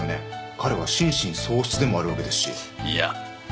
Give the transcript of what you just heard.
彼は心神喪失でもあるわけですしいや